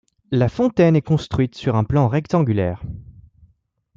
La fontaine est construite sur un plan rectangulaire.